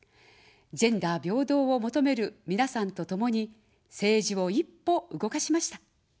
ジェンダー平等を求めるみなさんとともに政治を一歩動かしました。